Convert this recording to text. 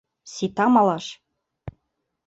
Сита малаш!